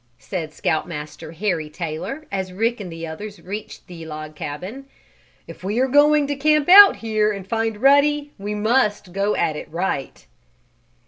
said Scout Master Harry Taylor, as Rick and the others reached the old log cabin, "if we are going to camp out here and find Ruddy, we must go at it right."